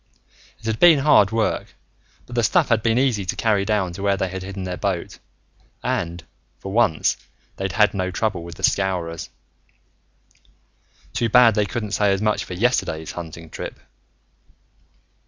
It had been hard work, but the stuff had been easy to carry down to where they had hidden their boat. And, for once, they'd had no trouble with the Scowrers. Too bad they couldn't say as much for yesterday's hunting trip!